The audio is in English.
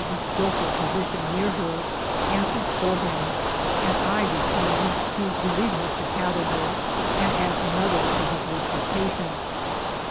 109 a skilful physician near her, answered for him, and I re* tnmed to relieve Mr. Catherwoody and add another to his list of patients.